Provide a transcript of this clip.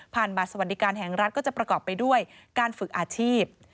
บัตรสวัสดิการแห่งรัฐก็จะประกอบไปด้วยการฝึกอาชีพ